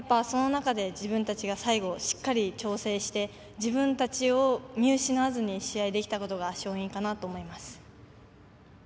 その中で自分たちが最後、しっかり調整して自分たちを見失わずに試合できたことが勝因かなと思います。